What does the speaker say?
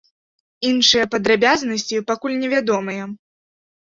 Іншыя падрабязнасці пакуль не вядомыя.